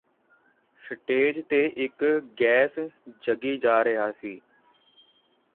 stage ਤੇ ਇਕ gas ਜਗੀ ਜਾ ਰਿਹਾ ਸੀ